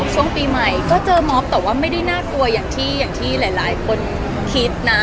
ช่วงปีใหม่ก็เจอม็อบแต่ว่าไม่ได้น่ากลัวอย่างที่หลายคนคิดนะ